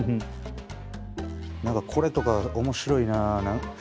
何かこれとか面白いなあ。